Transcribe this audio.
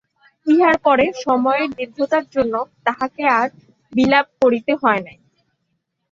ইহার পরে সময়ের দীর্ঘতার জন্য তাঁহাকে আর বিলাপ করিতে হয় নাই।